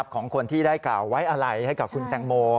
ของคนที่ได้กล่าวไว้อะไรให้กับคุณแตงโม